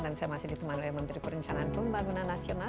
dan saya masih ditemani oleh menteri perencanaan pembangunan nasional